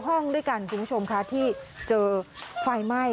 ห้องด้วยกันคุณผู้ชมค่ะที่เจอไฟไหม้